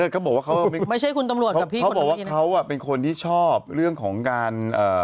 เค้าบอกว่าเค้าเป็นคนที่ชอบเรื่องของการ